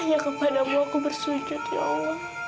ya kepadamu aku bersyukur